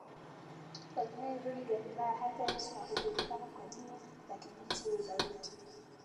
Familia ilirudi Galilaya hata Yesu akajulikana kwa jina la kijiji cha Nazareti